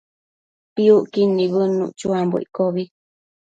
Piucquid nibëdnuc chuambo iccobi